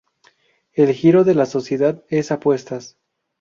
El giro de la Sociedad es apuestas.